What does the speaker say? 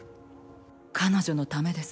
彼女のためです。